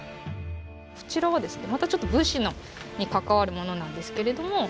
こちらはですねまたちょっと武士に関わるものなんですけれども。